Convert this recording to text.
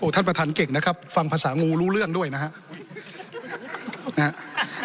ท่านประธานเก่งนะครับฟังภาษางูรู้เรื่องด้วยนะครับ